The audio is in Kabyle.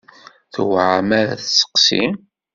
Tewɛer mi ara d-testeqsi.